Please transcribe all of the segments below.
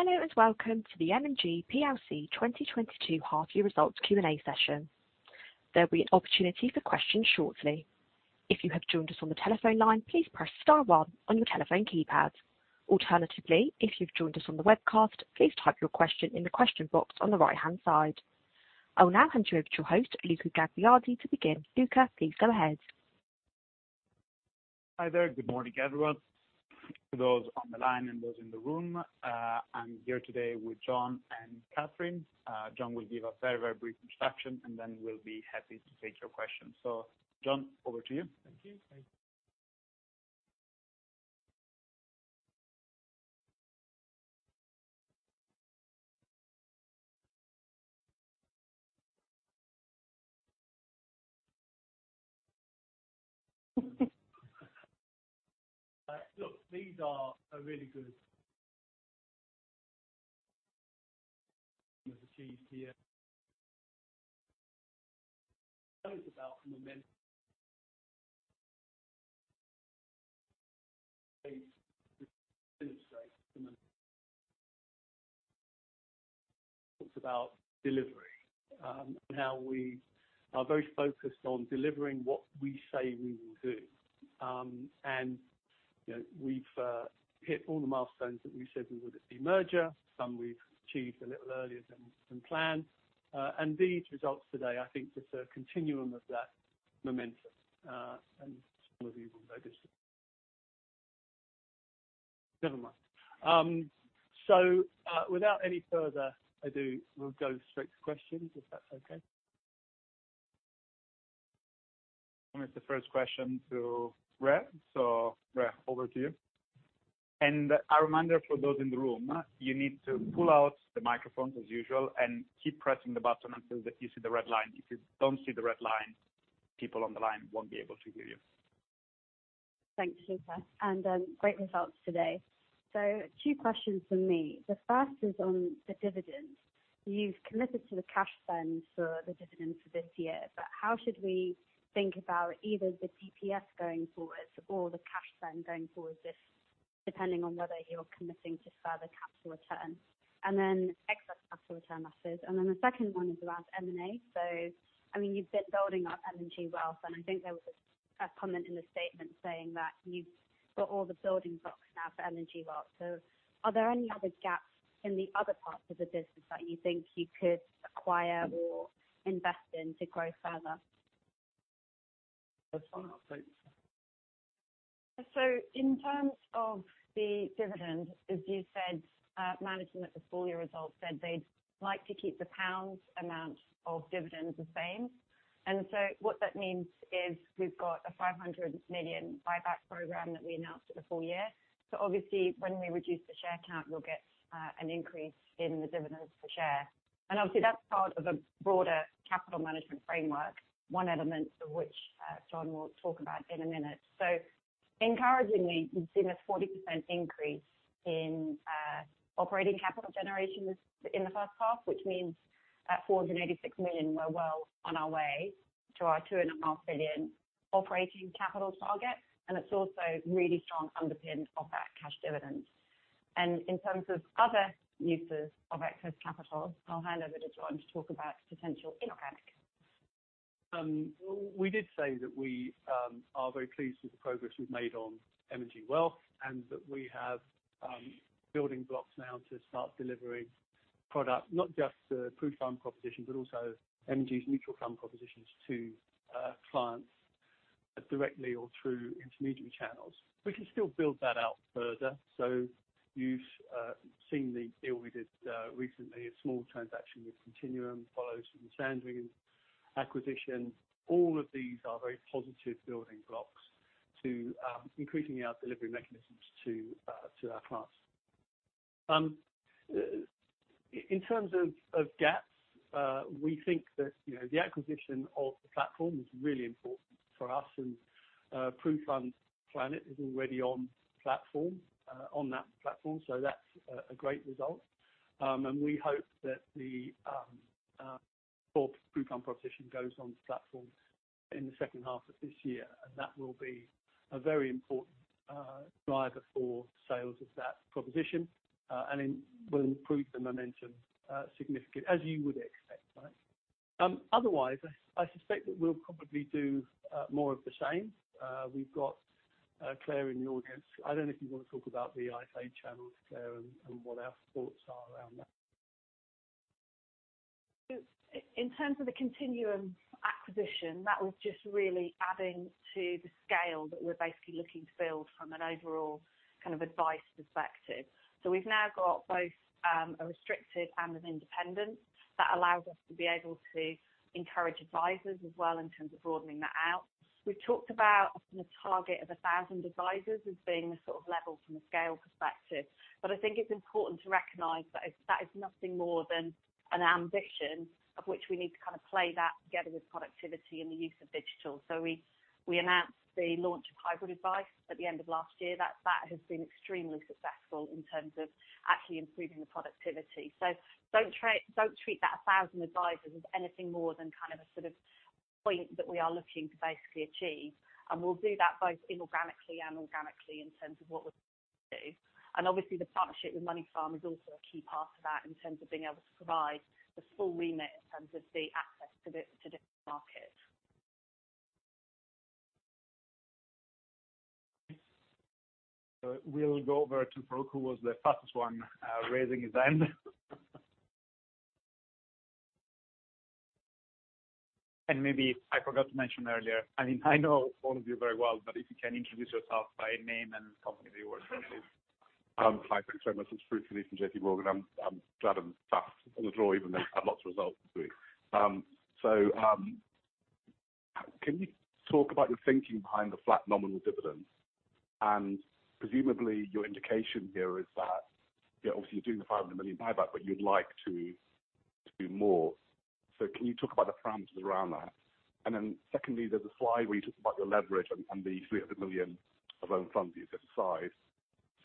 Hello and welcome to the M&G plc 2022 half-year results Q&A session. There'll be an opportunity for questions shortly. If you have joined us on the telephone line, please press star one on your telephone keypad. Alternatively, if you've joined us on the webcast, please type your question in the question box on the right-hand side. I will now hand you over to your host, Luca Gagliardi, to begin. Luca, please go ahead. Hi there. Good morning, everyone. For those on the line and those in the room, I'm here today with John and Catherine. John will give a very, very brief introduction, and then we'll be happy to take your questions. John, over to you. Thank you. Look, these are a really good achievement here. Tell us about the momentum. It's about delivery, and how we are very focused on delivering what we say we will do. You know, we've hit all the milestones that we said we would at the merger. Some we've achieved a little earlier than planned. These results today, I think, just a continuum of that momentum. Some of you will notice it. Never mind. Without any further ado, we'll go straight to questions if that's okay. I'll pass the first question to Ria. Ria, over to you. A reminder for those in the room. You need to pull out the microphone as usual and keep pressing the button until you see the red line. If you don't see the red line, people on the line won't be able to hear you. Thanks, Luca. Great results today. Two questions from me. The first is on the dividend. You've committed to the cash spend for the dividend for this year, but how should we think about either the DPS going forward or the cash spend going forward this, depending on whether you're committing to further capital return? Excess capital return assets. The second one is around M&A. I mean, you've been building up M&G Wealth, and I think there was a comment in the statement saying that you've got all the building blocks now for M&G Wealth. Are there any other gaps in the other parts of the business that you think you could acquire or invest in to grow further? So In terms of the dividend, as you said, management of the full year results said they'd like to keep the pound amount of dividend the same. What that means is we've got a 500 million buyback program that we announced at the full year. Obviously, when we reduce the share count, we'll get an increase in the dividends per share. Obviously, that's part of a broader capital management framework, one element of which, John will talk about in a minute. Encouragingly, we've seen a 40% increase in operating capital generation in the first half, which means at 4.86 million, we're well on our way to our 2.5 billion operating capital target. It's also really strong underpin of that cash dividend. In terms of other uses of excess capital, I'll hand over to John to talk about potential impact. We did say that we are very pleased with the progress we've made on M&G Wealth, and that we have building blocks now to start delivering product, not just through fund propositions, but also M&G's mutual fund propositions to clients directly or through intermediary channels. We can still build that out further. You've seen the deal we did recently, a small transaction with Continuum follows from the Sandringham acquisition. All of these are very positive building blocks to increasing our delivery mechanisms to our clients. In terms of gaps, we think that, you know, the acquisition of the platform is really important for us and, through PruFund Planet is already on platform, on that platform. That's a great result. We hope that the PruFund proposition goes on to platform in the second half of this year. That will be a very important driver for sales of that proposition, and it will improve the momentum significantly, as you would expect, right. Otherwise, I suspect that we'll probably do more of the same. We've got Claire in the audience. I don't know if you want to talk about the IFA channels, Claire, and what our thoughts are around that. In terms of the Continuum acquisition, that was just really adding to the scale that we're basically looking to build from an overall kind of advice perspective. We've now got both a restricted and an independent that allows us to be able to encourage advisors as well in terms of broadening that out. We've talked about often a target of 1,000 advisors as being the sort of level from a scale perspective. I think it's important to recognize that is nothing more than an ambition of which we need to kind of play that together with productivity and the use of digital. We announced the launch of hybrid advice at the end of last year. That has been extremely successful in terms of actually improving the productivity. Don't treat that 1,000 advisors as anything more than kind of a sort of. Point that we are looking to basically achieve. We'll do that both inorganically and organically in terms of what we do. Obviously, the partnership with Moneyfarm is also a key part of that in terms of being able to provide the full remit in terms of the access to this market. We'll go over to Farooq, who was the fastest one, raising his hand. Maybe I forgot to mention earlier. I mean, I know all of you very well, but if you can introduce yourself by name and company where you work. Hi. Thanks so much. It's Farooq Younis from JPMorgan. I'm glad I'm fast on the draw, even though I've lost results. Can you talk about your thinking behind the flat nominal dividend? Presumably, your indication here is that, you know, obviously you're doing the 500 million buyback, but you'd like to do more. Can you talk about the parameters around that? Secondly, there's a slide where you talk about your leverage and the 300 million of own funds you set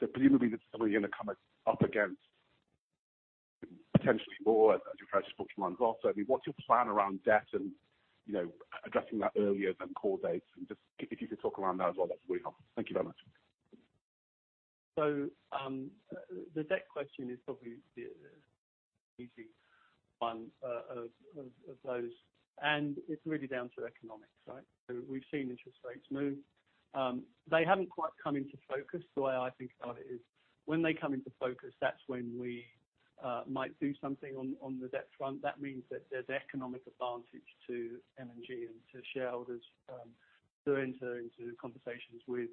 aside. Presumably, that's probably gonna come up against potentially more as you try to push them on as well. I mean, what's your plan around debt and, you know, addressing that earlier than core dates? And just if you could talk around that as well, that's really helpful. Thank you very much. The debt question is probably the easy one of those, and it's really down to economics, right? We've seen interest rates move. They haven't quite come into focus. The way I think about it is when they come into focus, that's when we might do something on the debt front. That means that there's economic advantage to M&G and to shareholders to enter into conversations with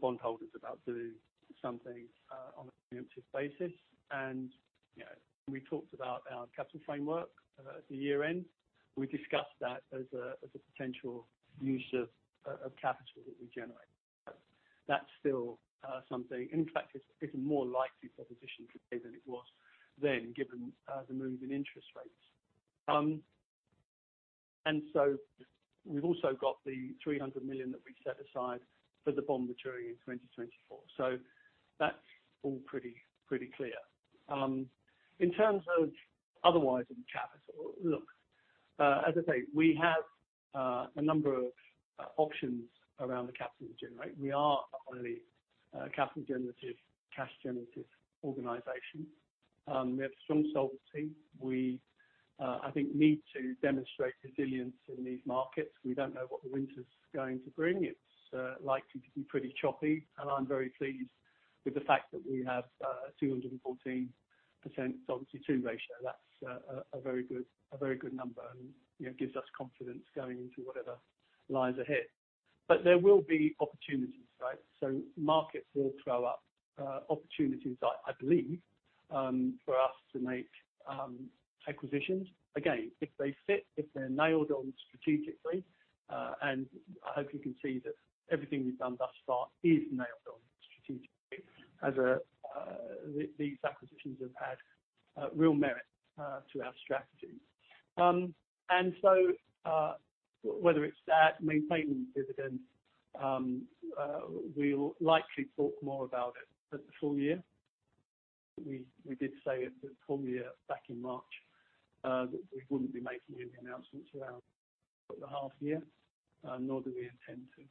bondholders about doing something on a preemptive basis. You know, we talked about our capital framework at the year-end. We discussed that as a potential use of capital that we generate. That's still something. In fact, it's more likely proposition today than it was then, given the move in interest rates. We've also got the 300 million that we set aside for the bond maturing in 2024. That's all pretty clear. In terms of otherwise in capital, look, as I say, we have a number of options around the capital generation. We are a highly capital generative, cash generative organization. We have strong solvency. We, I think, need to demonstrate resilience in these markets. We don't know what the winter is going to bring. It's likely to be pretty choppy, and I'm very pleased with the fact that we have a 214% Solvency II ratio. That's a very good number and, you know, gives us confidence going into whatever lies ahead. There will be opportunities, right? Markets will throw up opportunities, I believe, for us to make acquisitions. Again, if they fit, if they're nailed on strategically, and I hope you can see that everything we've done thus far is nailed on strategically. These acquisitions have had real merit to our strategy. Whether it's that maintaining dividend, we'll likely talk more about it at the full year. We did say at the full year back in March that we wouldn't be making any announcements around the half year, nor do we intend to.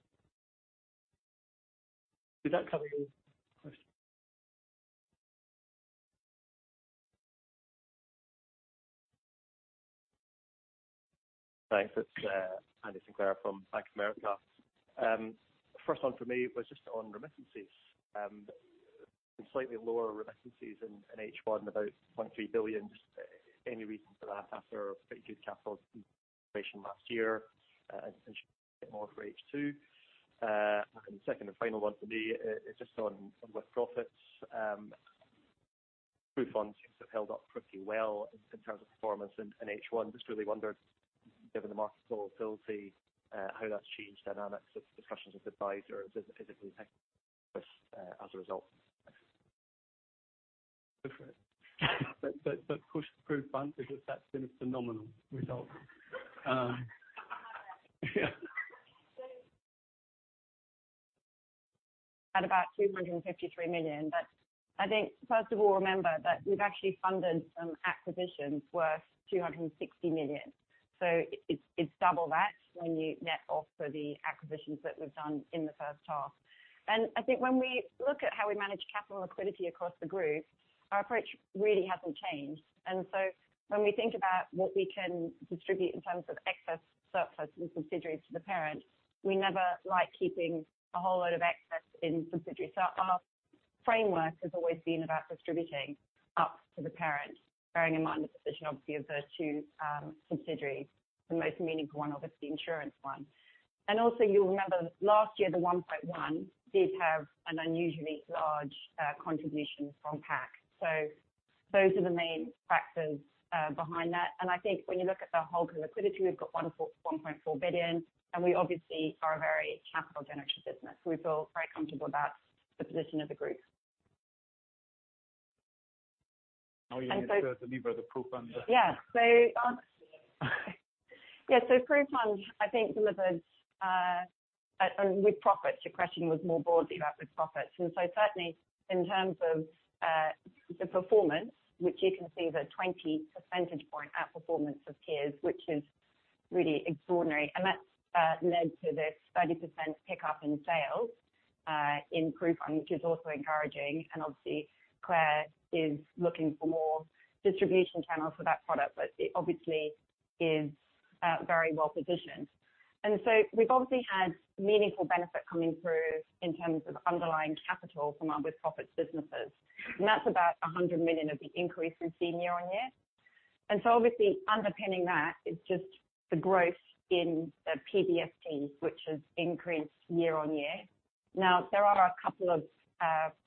Did that cover your question? Thanks. It's Andy Sinclair from Bank of America. First one for me was just on remittances. Slightly lower remittances in H1, about 0.3 billion. Just any reason for that after a pretty good capital allocation last year? And should get more for H2. Second and final one for me is just on With-Profits. PruFunds have held up pretty well in terms of performance in H1. Just really wondered, given the market's volatility, how that's changed dynamics of discussions with advisors as a result. PruFund is just that's been a phenomenal result. At about 253 million. I think first of all, remember that we've actually funded some acquisitions worth 260 million. It's double that when you net off for the acquisitions that we've done in the first half. I think when we look at how we manage capital liquidity across the group, our approach really hasn't changed. When we think about what we can distribute in terms of excess surplus in subsidiaries to the parent, we never like keeping a whole load of excess in subsidiaries. Our framework has always been about distributing up to the parent, bearing in mind the position obviously of the two, subsidiaries. The most meaningful one, obviously, insurance one. Also you'll remember last year, the 1.1 billion did have an unusually large, contribution from PAC. Those are the main factors behind that. I think when you look at the whole liquidity, we've got 1.14 billion, and we obviously are a very capital generative business. We feel very comfortable about the position of the group. Now you answer to me about the proof on the PruFund, I think, delivered. With-Profits, your question was more broadly about With-Profits. Certainly in terms of the performance, which you can see the 20 percentage point outperformance of peers, which is really extraordinary. That's led to this 30% pickup in sales in group, which is also encouraging. Obviously, Claire is looking for more distribution channels for that product, but it obviously is very well positioned. We've obviously had meaningful benefit coming through in terms of underlying capital from our With-Profits businesses. That's about 100 million of the increase we've seen year-on-year. Obviously underpinning that is just the growth in the PBST, which has increased year-on-year. Now, there are a couple of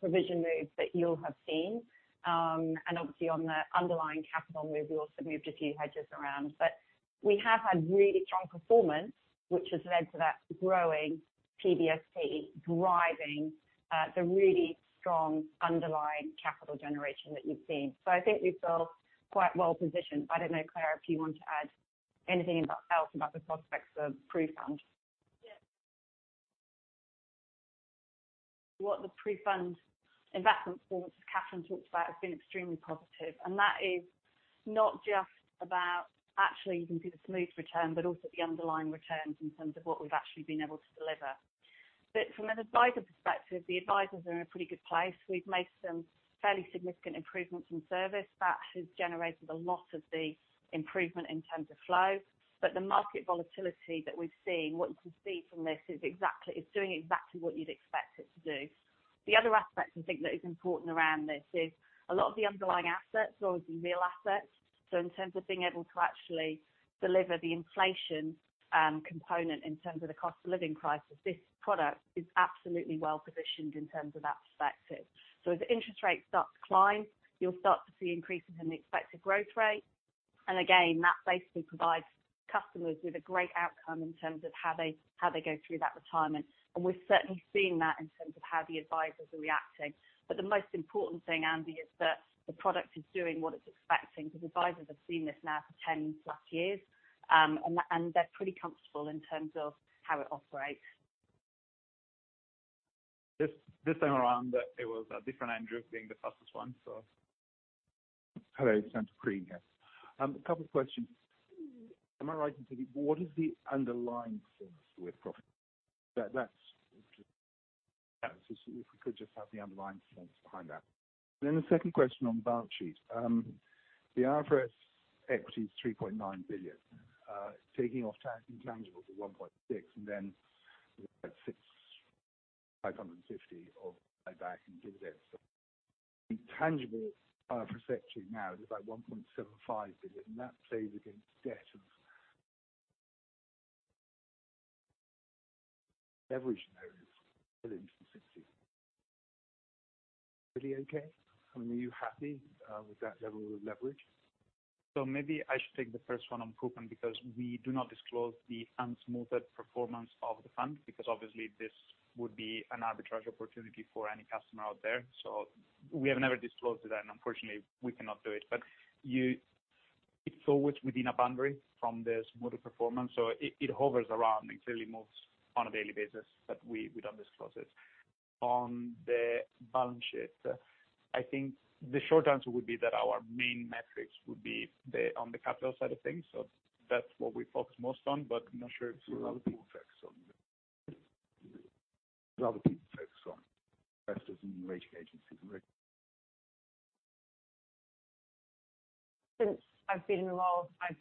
provision moves that you'll have seen, and obviously on the underlying capital move, we also moved a few hedges around. We have had really strong performance, which has led to that growing PBST driving the really strong underlying capital generation that you've seen. I think we feel quite well positioned. I don't know, Claire, if you want to add anything else about the prospects of PruFund. Yes. What the PruFund investment performance that Catherine talked about has been extremely positive, and that is not just about actually you can see the smooth return, but also the underlying returns in terms of what we've actually been able to deliver. From an advisor perspective, the advisors are in a pretty good place. We've made some fairly significant improvements in service. That has generated a lot of the improvement in terms of flow. The market volatility that we've seen, what you can see from this is exactly, it's doing exactly what you'd expect it to do. The other aspect I think that is important around this is a lot of the underlying assets are obviously real assets. In terms of being able to actually deliver the inflation component in terms of the cost of living crisis, this product is absolutely well-positioned in terms of that perspective. As interest rates start to climb, you'll start to see increases in the expected growth rate. Again, that basically provides customers with a great outcome in terms of how they go through that retirement. We're certainly seeing that in terms of how the advisors are reacting. The most important thing, Andy, is that the product is doing what it's expecting because advisors have seen this now for 10+ years, and they're pretty comfortable in terms of how it operates. This time around, it was a different Andrew being the fastest one, so. Hello. It's Andrew Green here. A couple of questions. Am I right in thinking, what is the underlying sense With-Profits? If we could just have the underlying sense behind that. Then the second question on balance sheet. The IFRS equity is 3.9 billion, taking off tax and tangibles at 1.6 billion, and then 650 million of buyback and dividends. The tangible IFRS equity now is about 1.75 billion, and that plays against debt. The leverage there is okay. I mean, are you happy with that level of leverage? Maybe I should take the first one on PruFund because we do not disclose the unsmoothed performance of the fund because obviously this would be an arbitrage opportunity for any customer out there. We have never disclosed that, and unfortunately, we cannot do it. But it hovers within a boundary from the smoothed performance. It hovers around. It clearly moves on a daily basis, but we don't disclose it. On the balance sheet, I think the short answer would be that our main metrics would be on the capital side of things. That's what we focus most on, but I'm not sure if. effects on investors and rating agencies and reg- Since I've been in the role, I've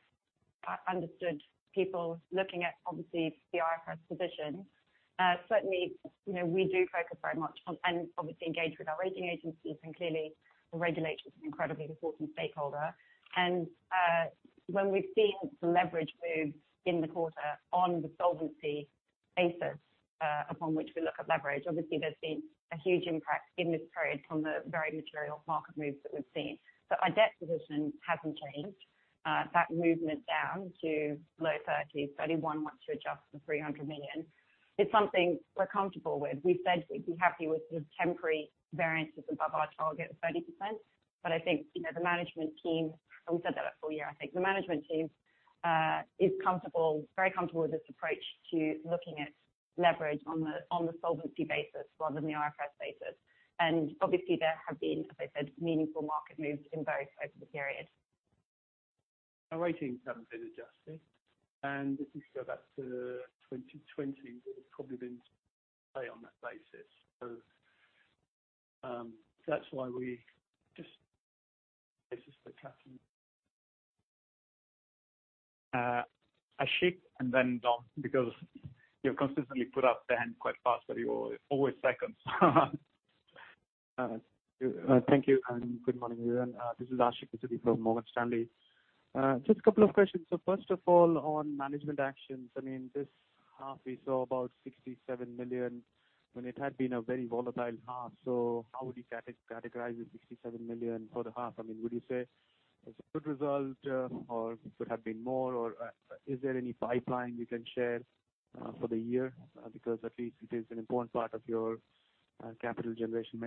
understood people looking at obviously the IFRS position. Certainly, you know, we do focus very much on and obviously engage with our rating agencies. Clearly the regulators are an incredibly important stakeholder. When we've seen the leverage move in the quarter on the solvency basis, upon which we look at leverage, obviously there's been a huge impact in this period from the very material market moves that we've seen. Our debt position hasn't changed. That movement down to low 30s%, 31% once you adjust for 300 million, is something we're comfortable with. We've said we'd be happy with sort of temporary variances above our target of 30%. I think, you know, the management team, and we said that at full year, is comfortable, very comfortable with this approach to looking at leverage on the solvency basis rather than the IFRS basis. Obviously, there have been, as I said, meaningful market moves in both over the period. Our ratings haven't been adjusted. If you go back to 2020, we've probably been on that basis. That's why we just Catherine. Ashik and then Dom, because you've consistently put up the hand quite fast, but you're always second. Thank you and good morning, everyone. This is Ashik Musaddi from Morgan Stanley. Just a couple of questions. First of all, on management actions, I mean, this half we saw about 67 million, and it had been a very volatile half. How would you categorize the 67 million for the half? I mean, would you say it's a good result, or could have been more, or, is there any pipeline you can share, for the year? Because at least it is an important part of your, capital generation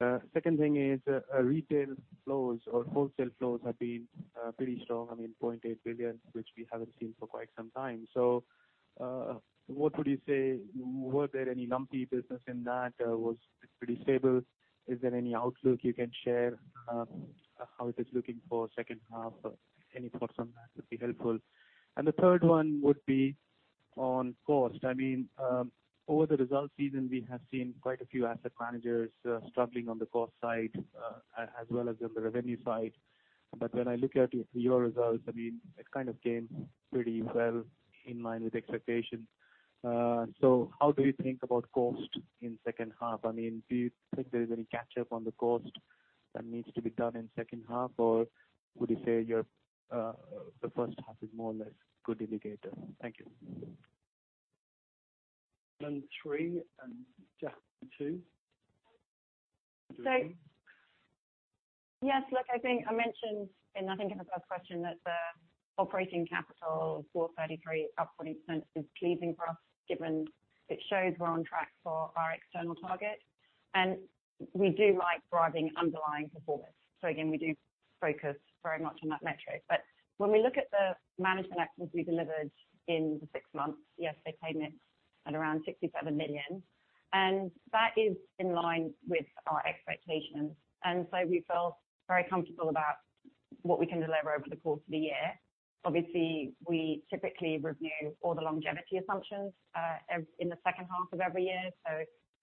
metric. Second thing is, retail flows or wholesale flows have been, pretty strong. I mean, 0.8 billion, which we haven't seen for quite some time. What would you say were there any lumpy business in that? Or was it pretty stable? Is there any outlook you can share, how it is looking for second half? Any thoughts on that would be helpful. The third one would be on cost. I mean, over the results season, we have seen quite a few asset managers, struggling on the cost side, as well as on the revenue side. When I look at your results, I mean, it kind of came pretty well in line with expectations. So how do you think about cost in second half? I mean, do you think there is any catch up on the cost that needs to be done in second half? Or would you say your, the first half is more or less good indicator? Thank you. three and Jack two. Yes, look, I think I mentioned in, I think in the first question, that the operating capital generation of 33 million up 40% is pleasing for us, given it shows we're on track for our external target. We do like driving underlying performance. We do focus very much on that metric. When we look at the management actions we delivered in the six months, yes, they came in at around 67 million, and that is in line with our expectations. We feel very comfortable about what we can deliver over the course of the year. Obviously, we typically review all the longevity assumptions, even in the second half of every year.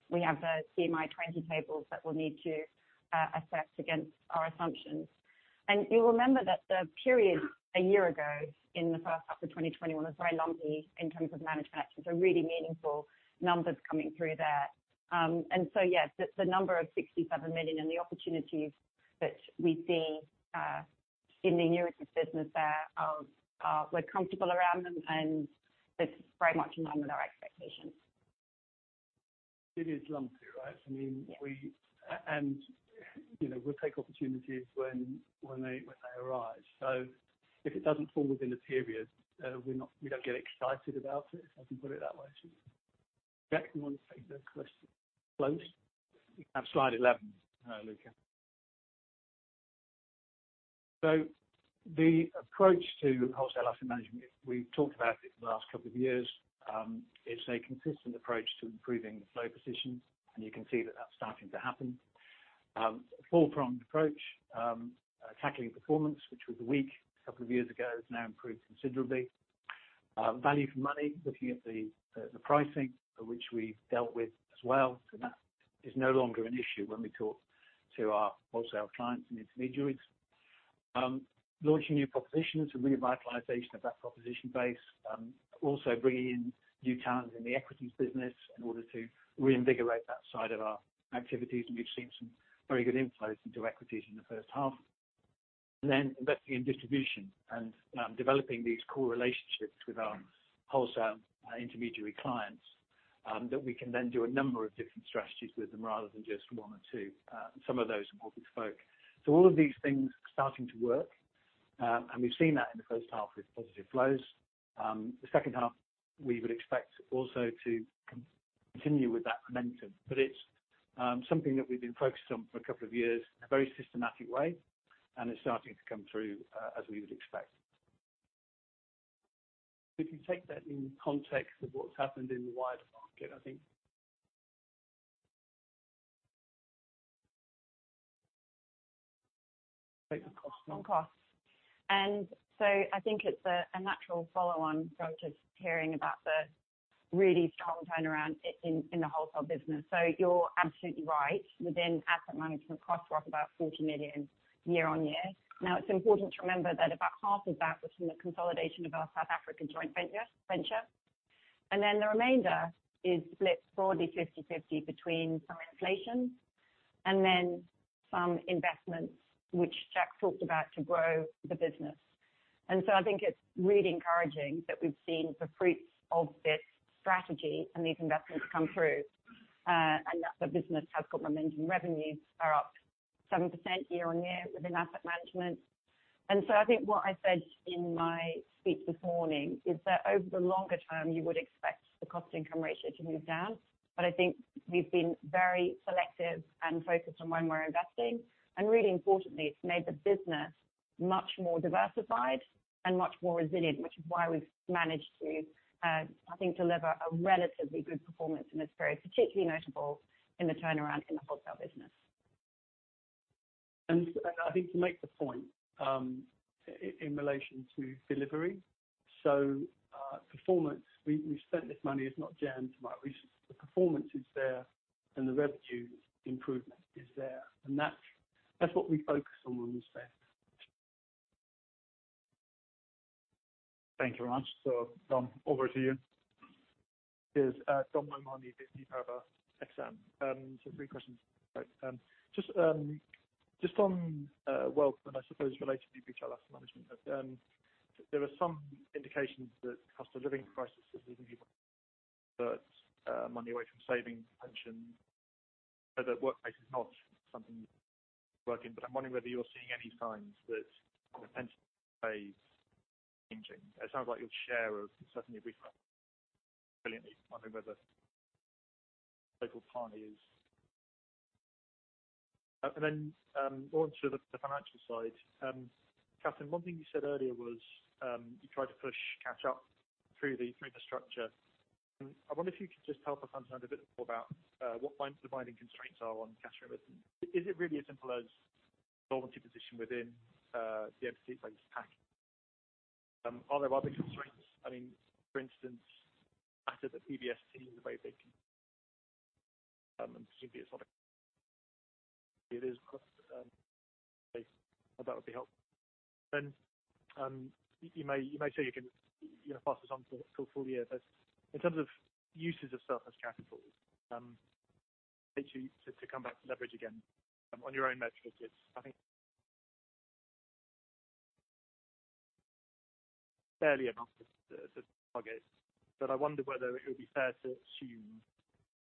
We have the CMI 2020 tables that we'll need to assess against our assumptions. You'll remember that the period a year ago in the first half of 2021 was very lumpy in terms of management actions. Really meaningful numbers coming through there. Yes, the number of 67 million and the opportunities which we see in the near-term business, we're comfortable around them, and it's very much in line with our expectations. It is lumpy, right? I mean. Yes. You know, we'll take opportunities when they arise. If it doesn't fall within the period, we don't get excited about it. If I can put it that way. Jack, you want to take the question close. You can have slide 11, Luca. The approach to wholesale asset management, we've talked about it for the last couple of years. It's a consistent approach to improving flow positions, and you can see that that's starting to happen. Four-pronged approach, tackling performance, which was weak a couple of years ago, has now improved considerably. Value for money, looking at the pricing which we've dealt with as well. That is no longer an issue when we talk to our wholesale clients and intermediaries. Launching new propositions and revitalization of that proposition base, also bringing in new talents in the equities business in order to reinvigorate that side of our activities. We've seen some very good inflows into equities in the first half. Investing in distribution and developing these core relationships with our wholesale intermediary clients that we can then do a number of different strategies with them rather than just one or two. Some of those multi-spoke. All of these things are starting to work, and we've seen that in the first half with positive flows. The second half, we would expect also to continue with that momentum. It's something that we've been focused on for a couple of years in a very systematic way, and it's starting to come through as we would expect. If you take that in context of what's happened in the wider market, I think. Take the costs now. On costs. I think it's a natural follow on from just hearing about the really strong turnaround in the wholesale business. You're absolutely right. Within asset management costs were up about 40 million year-on-year. Now, it's important to remember that about half of that was from the consolidation of our South African joint venture. The remainder is split broadly 50/50 between some inflation and then some investments which Jack talked about to grow the business. I think it's really encouraging that we've seen the fruits of this strategy and these investments come through, and that the business has got momentum. Revenues are up 7% year-on-year within asset management. I think what I said in my speech this morning is that over the longer term, you would expect the cost income ratio to move down. I think we've been very selective and focused on where we're investing. Really importantly, it's made the business much more diversified and much more resilient, which is why we've managed to, I think, deliver a relatively good performance in this period, particularly notable in the turnaround in the wholesale business. I think to make the point in relation to delivery. Performance, we spent this money. It's not tied to my resources. The performance is there and the revenue improvement is there. That's what we focus on when we say. Thank you very much. Dom, over to you. Dominic O'Mahony, BNP Paribas Exane. So three questions. Just on Wealth and I suppose related to retail asset management. There are some indications that cost of living crisis is leading people to pull money away from savings and pensions. I'm wondering whether you're seeing any signs that potential phase changing. More into the financial side. Kathryn, one thing you said earlier was you try to push cash up through the structure. I wonder if you could just help us understand a bit more about the binding constraints on cash remittance. Is it really as simple as solvency position within the entities like PAC? Are there other constraints? I mean, for instance, asset that PBS seems very big, and presumably it's not, but it is, but that would be helpful. You may say you can, you know, pass this on to a full year. But in terms of uses of surplus capitals, come back to leverage again on your own metrics is I think barely enough to target, but I wonder whether it would be fair to assume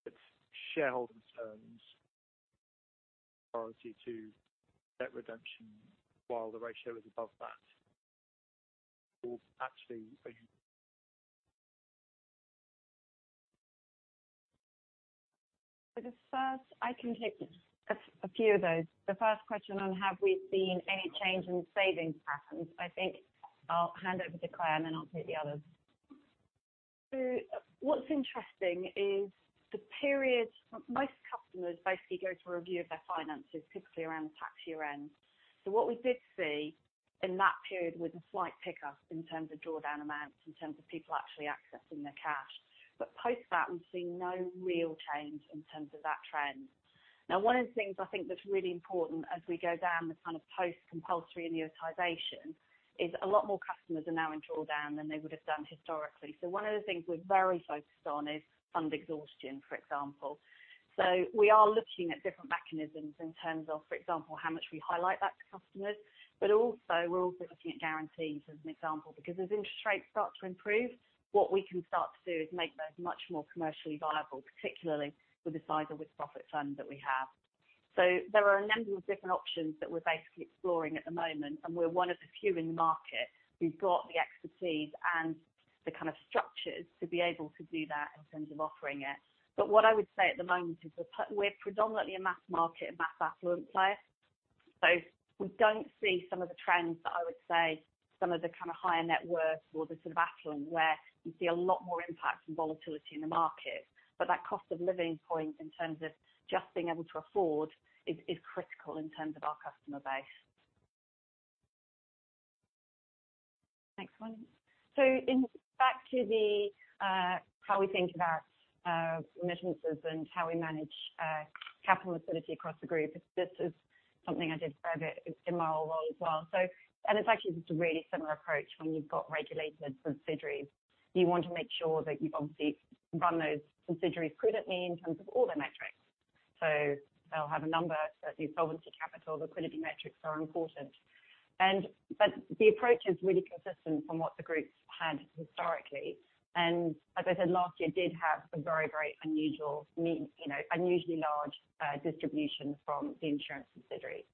that shareholder terms priority to debt redemption while the ratio is above that will actually. For the first, I can take a few of those. The first question on have we seen any change in savings patterns? I think I'll hand over to Clare, and then I'll take the others. What's interesting is the period most customers basically go to review of their finances, typically around the tax year end. What we did see in that period was a slight pickup in terms of draw down amounts, in terms of people actually accessing their cash. Post that, we've seen no real change in terms of that trend. Now, one of the things I think that's really important as we go down the kind of post compulsory annuitization is a lot more customers are now in draw down than they would have done historically. One of the things we're very focused on is fund exhaustion, for example. We are looking at different mechanisms in terms of, for example, how much we highlight that to customers, but also we're also looking at guarantees as an example, because as interest rates start to improve, what we can start to do is make those much more commercially viable, particularly with the size of With-Profits fund that we have. There are a number of different options that we're basically exploring at the moment, and we're one of the few in the market who's got the expertise and the kind of structures to be able to do that in terms of offering it. What I would say at the moment is we're predominantly a mass market and mass affluent player, so we don't see some of the trends that I would say some of the kind of higher net worth or the sort of affluent where you see a lot more impact and volatility in the market. That cost of living point in terms of just being able to afford is critical in terms of our customer base. Next one. Back to how we think about remittances and how we manage capital liquidity across the group. This is something I did a fair bit in my old role as well. It's actually just a really similar approach when you've got regulated subsidiaries. You want to make sure that you obviously run those subsidiaries prudently in terms of all their metrics. They'll have a number. Certainly, solvency capital liquidity metrics are important. The approach is really consistent from what the group has had historically. As I said, last year did have a very, very unusual, you know, unusually large distribution from the insurance subsidiaries.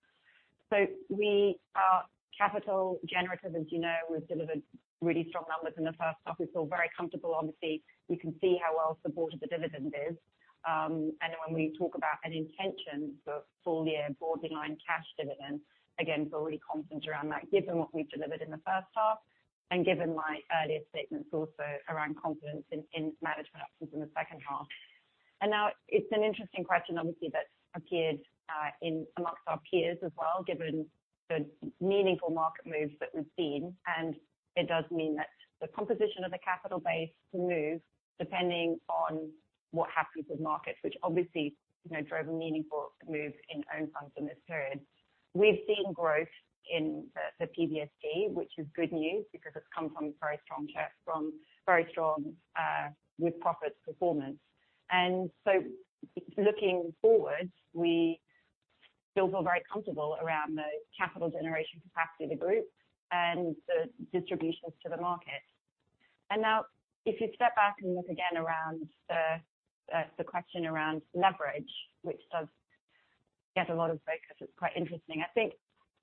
We are capital generative, as you know. We've delivered really strong numbers in the first half. We feel very comfortable. Obviously, we can see how well supported the dividend is. When we talk about an intention for full year baseline cash dividend, again, feel really confident around that given what we've delivered in the first half and given my earlier statements also around confidence in management actions in the second half. Now it's an interesting question, obviously, that's appeared in among our peers as well, given the meaningful market moves that we've seen. It does mean that the composition of the capital base can move depending on what happens with markets, which obviously, you know, drove a meaningful move in own funds in this period. We've seen growth in the PBSD, which is good news because it's come from very strong With-Profits performance. Looking forward, we still feel very comfortable around the capital generation capacity of the group and the distributions to the market. Now if you step back and look again around the question around leverage, which does get a lot of focus, it's quite interesting. I think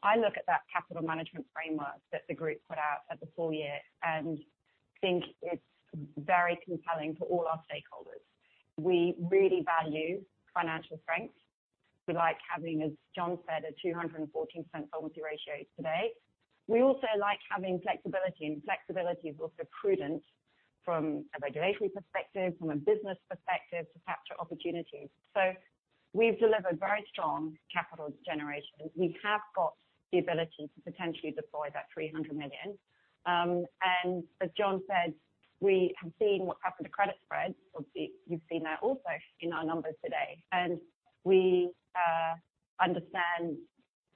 I look at that capital management framework that the group put out for the full year and think it's very compelling for all our stakeholders. We really value financial strength. We like having, as John said, a 214% solvency ratios today. We also like having flexibility, and flexibility is also prudent from a regulatory perspective, from a business perspective to capture opportunities. We've delivered very strong capital generation. We have got the ability to potentially deploy that 300 million. And as John said, we have seen what happened to credit spreads. Obviously, you've seen that also in our numbers today. We understand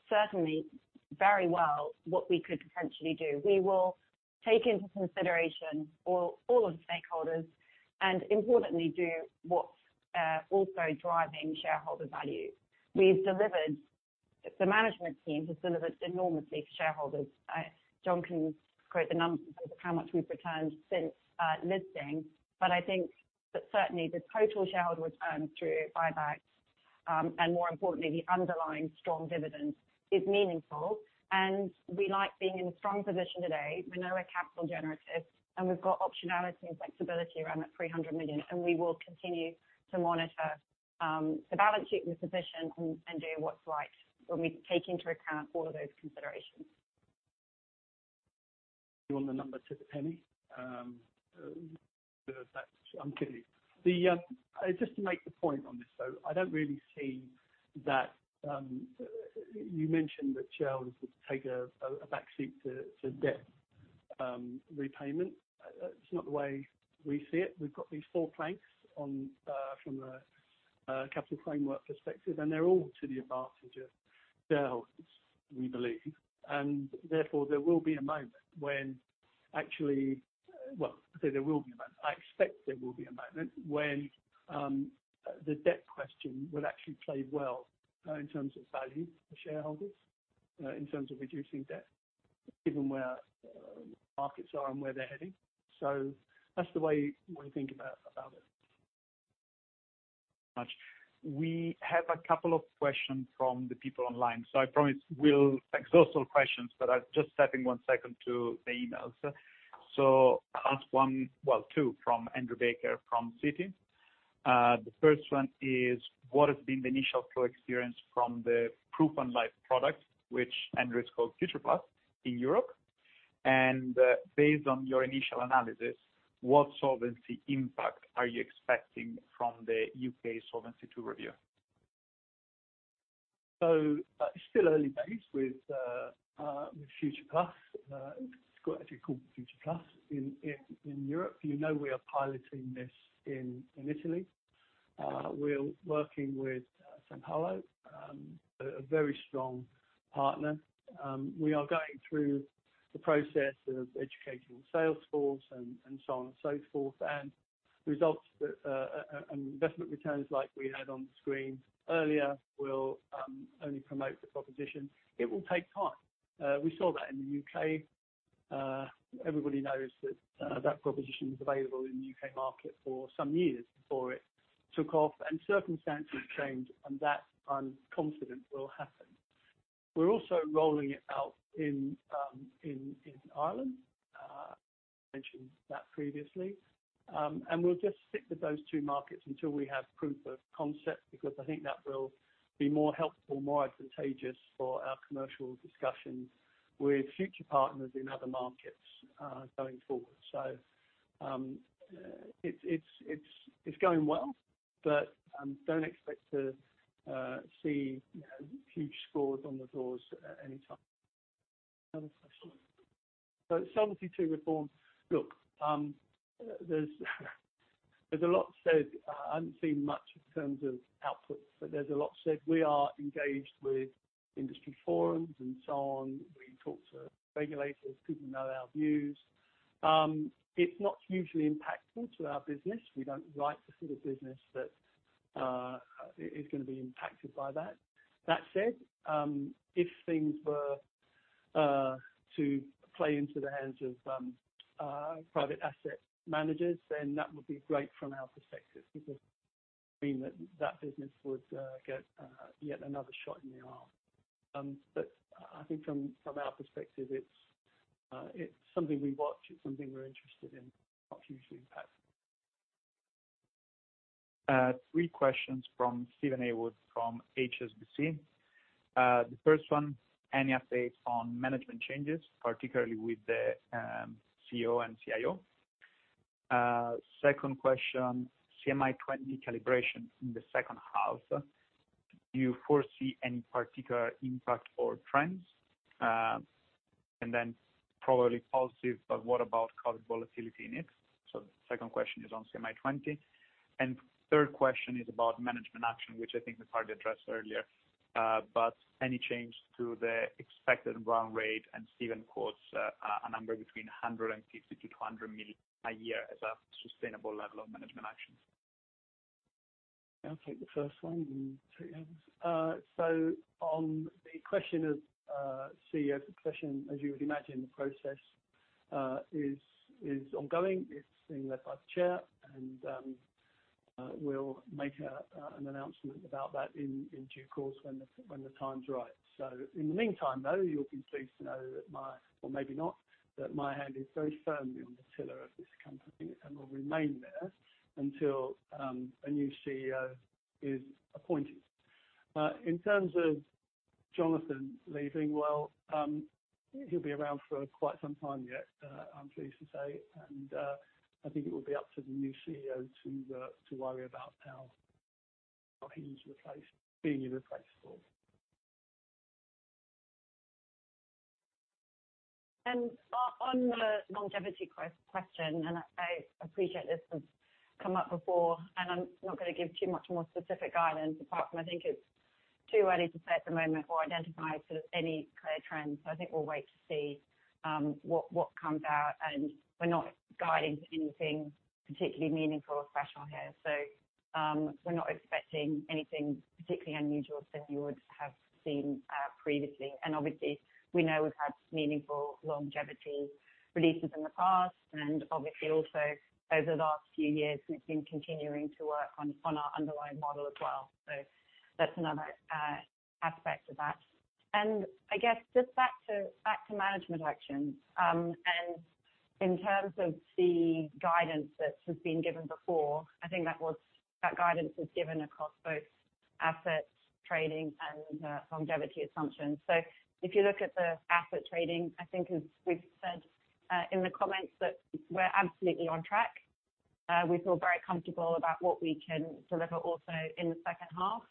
certainly very well what we could potentially do. We will take into consideration all of the stakeholders and importantly do what's also driving shareholder value. We've delivered. The management team has delivered enormously for shareholders. John can quote the numbers of how much we've returned since listing. I think that certainly the total shareholder return through buybacks, and more importantly, the underlying strong dividend is meaningful. We like being in a strong position today. We know we're capital generative, and we've got optionality and flexibility around that 300 million, and we will continue to monitor the balance sheet position and do what's right when we take into account all of those considerations. You want the number to the penny? I'm kidding. Just to make the point on this, though, I don't really see that you mentioned that shareholders would take a backseat to debt repayment. That's not the way we see it. We've got these four planks on from a capital framework perspective, and they're all to the advantage of shareholders, we believe. Therefore, there will be a moment when actually well, I say there will be a moment. I expect there will be a moment when the debt question will actually play well in terms of value for shareholders in terms of reducing debt, given where markets are and where they're heading. That's the way we think about it. We have a couple of questions from the people online. I promise we'll exhaust all questions, but I'm just typing one second to the emails. I'll ask one, well, two from Andrew Baker from Citi. The first one is, what has been the initial flow experience from the PruFund product, which Andrew has called Future+ in Europe? And, based on your initial analysis, what solvency impact are you expecting from the UK Solvency II review? It's still early days with Future+. It's actually called Future+ in Europe. You know we are piloting this in Italy. We're working with Intesa Sanpaolo, a very strong partner. We are going through the process of educating the sales force and so on and so forth. The results and investment returns like we had on the screen earlier will only promote the proposition. It will take time. We saw that in the UK. Everybody knows that proposition was available in the UK market for some years before it took off. Circumstances change, and that I'm confident will happen. We're also rolling it out in Ireland, mentioned that previously. We'll just stick with those two markets until we have proof of concept, because I think that will be more helpful, more advantageous for our commercial discussions with future partners in other markets, going forward. It's going well, but don't expect to see, you know, huge scores on the doors at any time. Another question. Solvency II reform. Look, there's a lot said. I haven't seen much in terms of output, but there's a lot said. We are engaged with industry forums and so on. We talk to regulators. People know our views. It's not hugely impactful to our business. We don't write the sort of business that is gonna be impacted by that. That said, if things were to play into the hands of private asset managers, then that would be great from our perspective, because it would mean that that business would get yet another shot in the arm. But I think from our perspective, it's something we watch. It's something we're interested in, not hugely impactful. Three questions from Steven Haywood from HSBC. The first one, any updates on management changes, particularly with the Chief Executive Officer and Chief Investment Officer? Second question, CMI 2020 calibration in the second half. Do you foresee any particular impact or trends? Probably positive, but what about current volatility in it? The second question is on CMI 2020. Third question is about management action, which I think was partly addressed earlier. Any change to the expected run rate? Steven quotes a number between 150-200 million a year as a sustainable level of management actions. I'll take the first one, and two others. On the question of Chief Executive Officer succession, as you would imagine, the process is ongoing. It's being led by the chair. We'll make an announcement about that in due course when the time's right. In the meantime, though, you'll be pleased to know that my, or maybe not, that my hand is very firmly on the tiller of this company and will remain there until a new Chief Executive Officer is appointed. In terms of Jonathan leaving, he'll be around for quite some time yet, I'm pleased to say. I think it will be up to the new Chief Executive Officer to worry about how he's replaced, being irreplaceable. On the longevity question, I appreciate this has come up before. I'm not going to give too much more specific guidance, apart from I think it's too early to say at the moment or identify sort of any clear trends. I think we'll wait to see what comes out. We're not guiding to anything particularly meaningful or special here. We're not expecting anything particularly unusual than you would have seen previously. Obviously, we know we've had meaningful longevity releases in the past. Obviously also over the last few years, we've been continuing to work on our underlying model as well. That's another aspect of that. I guess just back to management action, and in terms of the guidance that has been given before, I think that was... That guidance was given across both assets trading and longevity assumptions. If you look at the asset trading, I think as we've said, in the comments that we're absolutely on track. We feel very comfortable about what we can deliver also in the second half.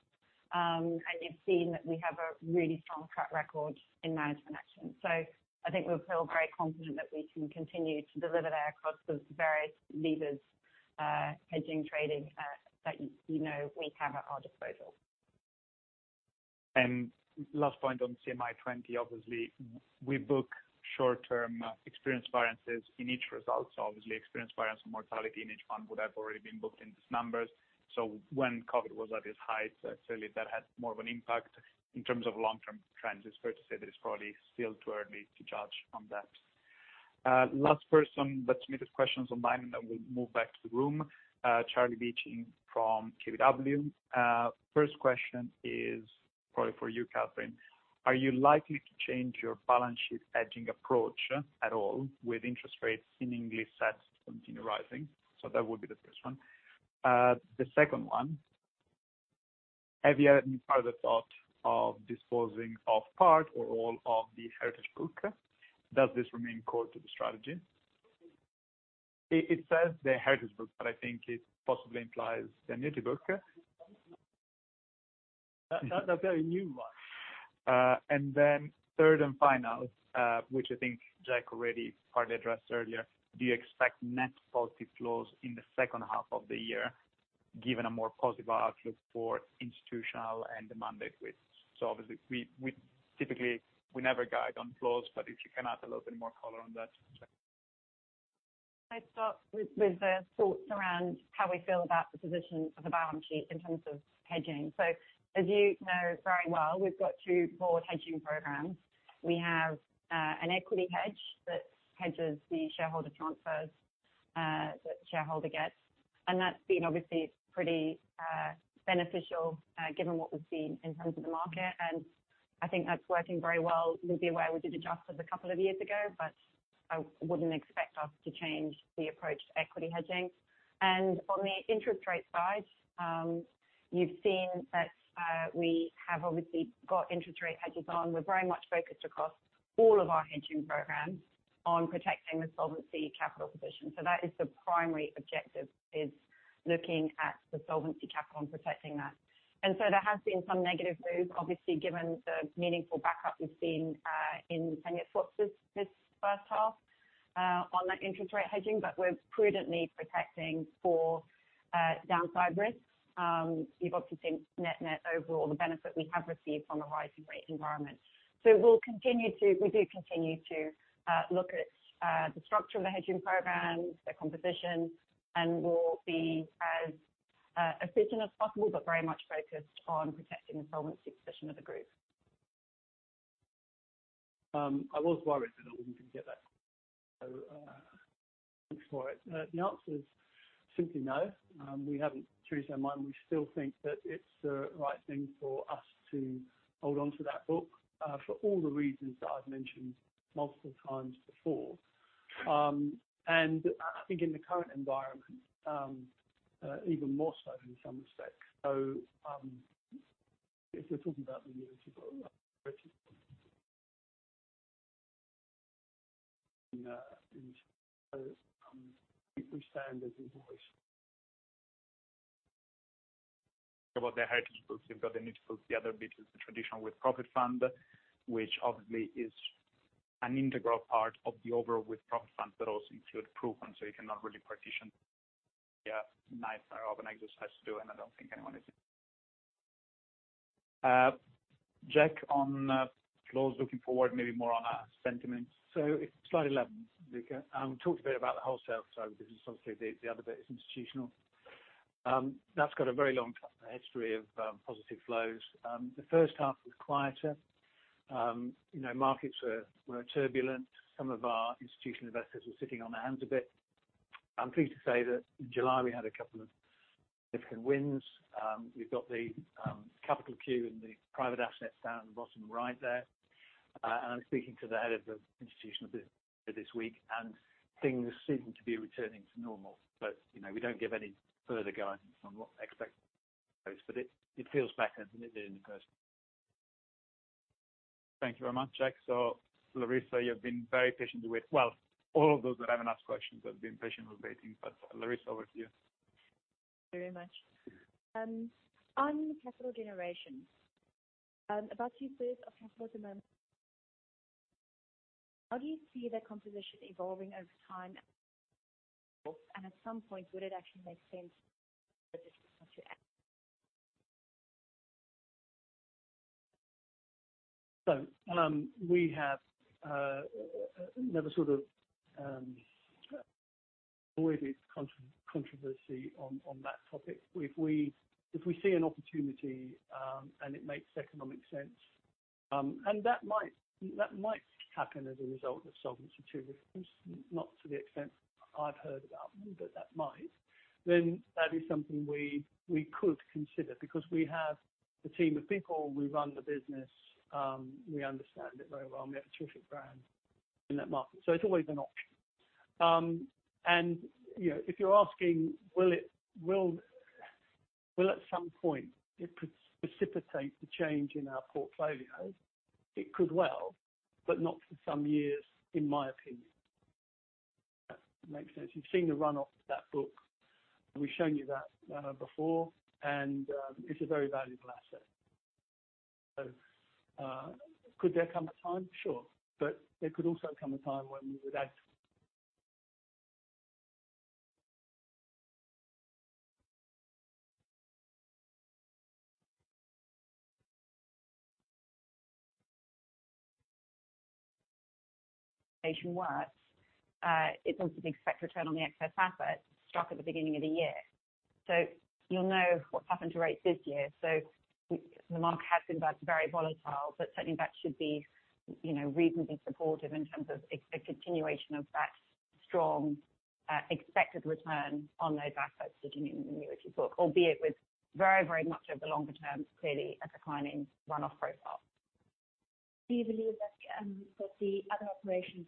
You've seen that we have a really strong track record in management action. I think we feel very confident that we can continue to deliver there across those various levers, hedging trading, that you know we have at our disposal. Last point on CMI20, obviously we book short-term experience variances in each result. So obviously, experience variance and mortality in each fund would have already been booked in these numbers. So when COVID was at its height, clearly that had more of an impact. In terms of long term trends, it's fair to say that it's probably still too early to judge on that. Last person that submitted questions online, and then we'll move back to the room. Charlie Beeching from KBW. First question is probably for you, Catherine. Are you likely to change your balance sheet hedging approach at all with interest rates seemingly set to continue rising? So that would be the first one. The second one, have you had any further thought of disposing of part or all of the heritage book? Does this remain core to the strategy? It says the heritage book, but I think it possibly implies the new book. That's a very new one. Third and final, which I think Jack already partly addressed earlier. Do you expect net positive flows in the second half of the year, given a more positive outlook for institutional and the mandate wins? We typically never guide on flows, but if you can add a little bit more color on that. I'd start with the thoughts around how we feel about the position of the balance sheet in terms of hedging. As you know very well, we've got two broad hedging programs. We have an equity hedge that hedges the shareholder transfers that shareholder gets. That's been obviously pretty beneficial given what we've seen in terms of the market, and I think that's working very well. You'll be aware we did adjust it a couple of years ago, but I wouldn't expect us to change the approach to equity hedging. On the interest rate side, you've seen that we have obviously got interest rate hedges on. We're very much focused across all of our hedging programs on protecting the solvency capital position. That is the primary objective, looking at the solvency capital and protecting that. There has been some negative moves, obviously, given the meaningful backup we've seen in the sterling swaps this first half on that interest rate hedging, but we're prudently protecting for downside risks. You've obviously seen net-net overall, the benefit we have received from a rising rate environment. We do continue to look at the structure of the hedging programs, their composition, and we'll be as efficient as possible, but very much focused on protecting the solvency position of the group. I was worried that I wouldn't get that. Thanks for it. The answer is simply no. We haven't changed our mind. We still think that it's the right thing for us to hold on to that book, for all the reasons that I've mentioned multiple times before. I think in the current environment, even more so in some respects. About the heritage books, you've got the need to but the other bit is the traditional With-Profits fund, which obviously is an integral part of the overall With-Profits fund, but also include PruFund, so you cannot really partition. Yeah. Nice theoretical exercise to do, and I don't think anyone is. Jack, on flows looking forward, maybe more on sentiments. It's slightly leveling. We talked a bit about the wholesale side. This is obviously the other bit, institutional. That's got a very long history of positive flows. The first half was quieter. You know, markets were turbulent. Some of our institutional investors were sitting on their hands a bit. I'm pleased to say that in July, we had a couple of different wins. We've got the Capital Solutions and the private assets down in the bottom right there. I'm speaking to the head of the institutional this week, and things seem to be returning to normal. You know, we don't give any further guidance on what to expect, but it feels better than it did in the first. Thank you very much, Jack. Larissa, you've been very patient. Well, all of those that haven't asked questions have been patient with waiting. Larissa, over to you. Thank you very much. On capital generation, about use of capital at the moment. How do you see the composition evolving over time? At some point, would it actually make sense? We have never sort of avoided controversy on that topic. If we see an opportunity and it makes economic sense, and that might happen as a result of Solvency II, not to the extent I've heard about, but that might then that is something we could consider because we have the team of people, we run the business, we understand it very well, and we have a terrific brand in that market. It's always an option. You know, if you're asking will it at some point precipitate the change in our portfolio? It could well, but not for some years, in my opinion. Makes sense. You've seen the run-off of that book. We've shown you that before, and it's a very valuable asset. Could there come a time? Sure. There could also come a time when we would add Works. It's also the expected return on the excess asset struck at the beginning of the year. You'll know what's happened to rates this year. The market has been very volatile, but certainly that should be, you know, reasonably supportive in terms of expected continuation of that strong expected return on those assets sitting in the annuity book, albeit with very, very much over the longer term, clearly a declining run-off profile. Do you believe that the other operations?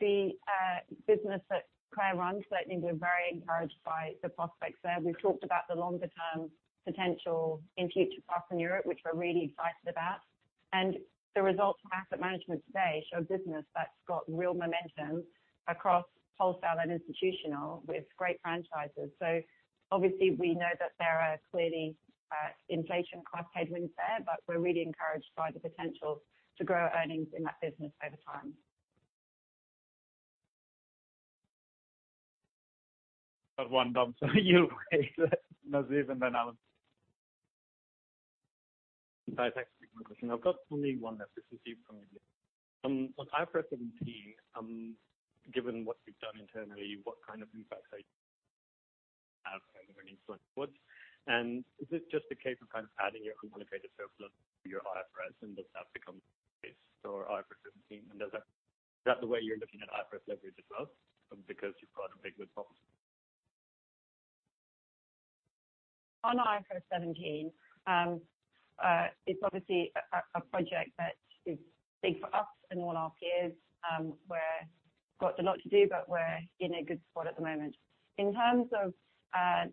The business that Claire runs, certainly we're very encouraged by the prospects there. We've talked about the longer term potential in Future+ in Europe, which we're really excited about. The results from asset management today show business that's got real momentum across wholesale and institutional with great franchises. Obviously we know that there are clearly inflation cost headwinds there, but we're really encouraged by the potential to grow earnings in that business over time. One, Dom, so you wait. Nasir and then Alan. Hi, thanks. I've got only one left. This is Nasir Deen. On IFRS 17, given what you've done internally, what kind of impact have you had and is it just a case of kind of adding your accumulated surplus to your IFRS and does that become the sort of IFRS 17? Is that the way you're looking at IFRS leverage as well because you've got a big surplus. On IFRS 17, it's obviously a project that is big for us and all our peers. Got a lot to do, but we're in a good spot at the moment. In terms of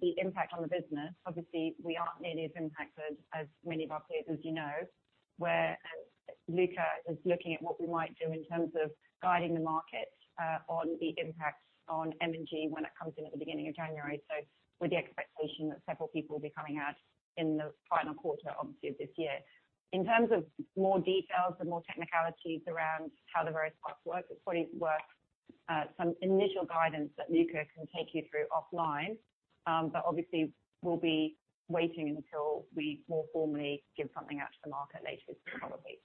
the impact on the business, obviously we aren't nearly as impacted as many of our peers, as you know. Luca is looking at what we might do in terms of guiding the market on the impacts on M&G when it comes in at the beginning of January. With the expectation that several people will be coming out in the final quarter of this year. In terms of more details and more technicalities around how the various parts work, it's probably worth some initial guidance that Luca can take you through offline. Obviously we'll be waiting until we more formally give something out to the market later this probably.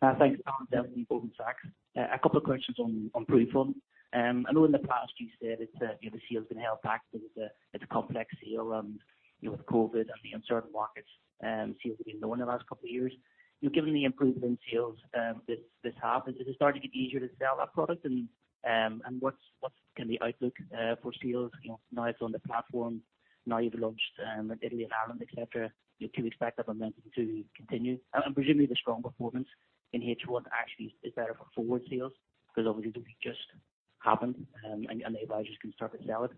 Thanks. Alan Devlin, Goldman Sachs. A couple of questions on PruFund. I know in the past you've said it's you know the sales been held back because it's a complex deal and you know with COVID and the uncertain markets sales have been low in the last couple of years. You've given the improvement in sales this half. Is it starting to get easier to sell that product? And what's kind of the outlook for sales you know now it's on the platform now you've launched in Italy and Ireland et cetera. Do you expect that momentum to continue? And presumably the strong performance in H1 actually is better for forward sales because obviously they've just happened and the advisors can start to sell it.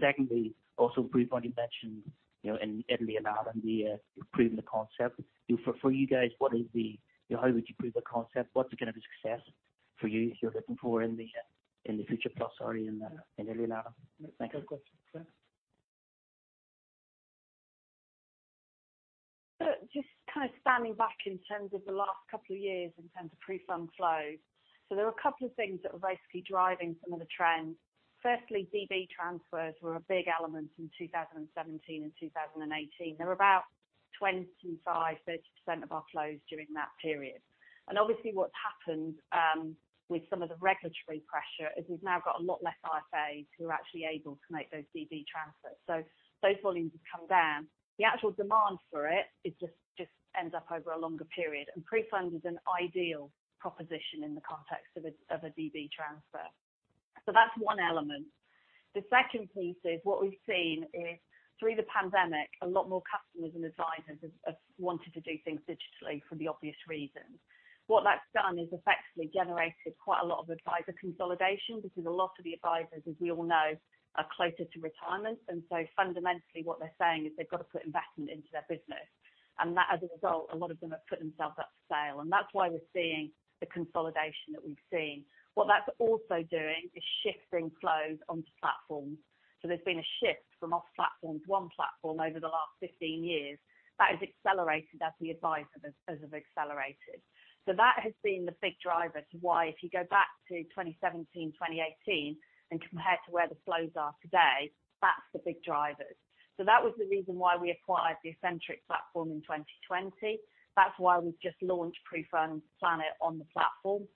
Secondly, also PruFund you mentioned, you know, in Italy and Ireland, the proving the concept. You know, for you guys, what is the How would you prove the concept? What's going to be success for you're looking for in the Future+ or in Italy and Ireland? Thank you. Just kind of standing back in terms of the last couple of years in terms of PruFund flows. There were a couple of things that were basically driving some of the trends. Firstly, DB transfers were a big element in 2017 and 2018. They were about 25%-30% of our flows during that period. Obviously what's happened with some of the regulatory pressure is we've now got a lot less IFAs who are actually able to make those DB transfers. Those volumes have come down. The actual demand for it just ends up over a longer period. PruFund is an ideal proposition in the context of a DB transfer. That's one element. The second piece is what we've seen is through the pandemic, a lot more customers and advisors have wanted to do things digitally for the obvious reasons. What that's done is effectively generated quite a lot of advisor consolidation because a lot of the advisors, as we all know, are closer to retirement. Fundamentally what they're saying is they've got to put investment into their business. That as a result, a lot of them have put themselves up for sale. That's why we're seeing the consolidation that we've seen. What that's also doing is shifting flows onto platforms. There's been a shift from off-platform to on-platform over the last 15 years that has accelerated as the advisors have accelerated. That has been the big driver to why, if you go back to 2017, 2018 and compare to where the flows are today, that's the big drivers. That was the reason why we acquired the Ascentric platform in 2020. That's why we've just launched PruFund Planet on the platform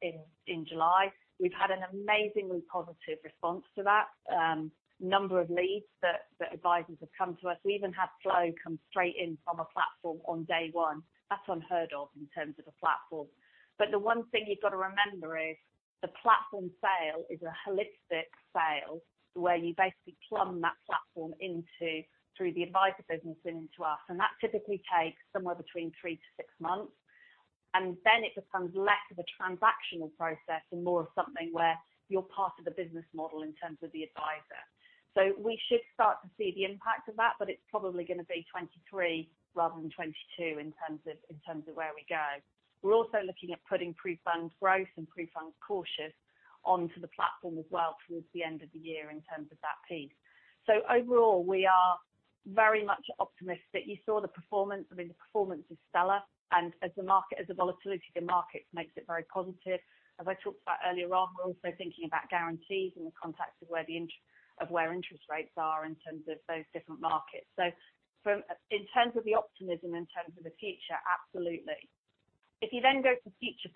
in July. We've had an amazingly positive response to that. Number of leads that advisors have come to us. We even had flow come straight in from a platform on day one. That's unheard of in terms of a platform. The one thing you've got to remember is the platform sale is a holistic sale where you basically plumb that platform into the advisor business and into us. That typically takes somewhere between three to six months. Then it becomes less of a transactional process and more of something where you're part of the business model in terms of the advisor. We should start to see the impact of that, but it's probably gonna be 2023 rather than 2022 in terms of, in terms of where we go. We're also looking at putting PruFund Growth and PruFund Cautious onto the platform as well towards the end of the year in terms of that piece. Overall, we are very much optimistic. You saw the performance, I mean, the performance is stellar. The market, as the volatility of the market makes it very positive. As I talked about earlier on, we're also thinking about guarantees in the context of where interest rates are in terms of those different markets. In terms of the optimism, in terms of the future, absolutely. If you then go to Future+,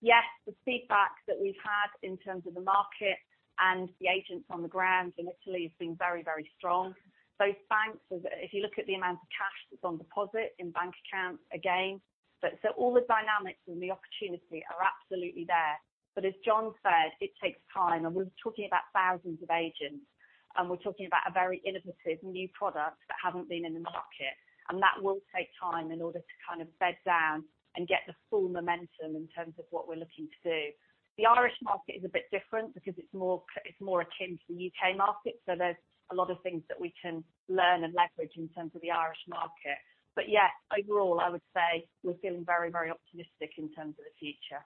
yes, the feedback that we've had in terms of the market and the agents on the ground in Italy has been very, very strong. Those banks, as if you look at the amount of cash that's on deposit in bank accounts, again. All the dynamics and the opportunity are absolutely there. As John said, it takes time, and we're talking about thousands of agents, and we're talking about a very innovative new product that haven't been in the market, and that will take time in order to kind of bed down and get the full momentum in terms of what we're looking to do. The Irish market is a bit different because it's more akin to the UK market. There's a lot of things that we can learn and leverage in terms of the Irish market. Yes, overall, I would say we're feeling very, very optimistic in terms of the future.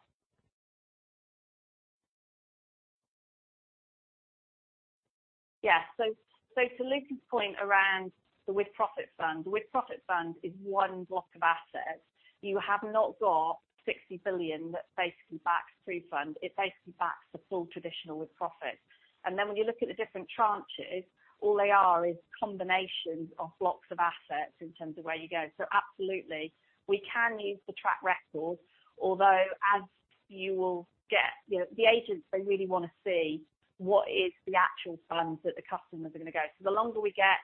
Yeah. To Luca's point around the With Profits fund. The With Profits fund is one block of assets. You have not got 60 billion that basically backs PruFund. It basically backs the full traditional With Profits. When you look at the different tranches, all they are is combinations of blocks of assets in terms of where you go. Absolutely, we can use the track record, although as you will get, you know, the agents, they really wanna see what is the actual funds that the customers are gonna go. The longer we get